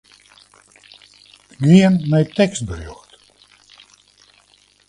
Gean nei tekstberjocht.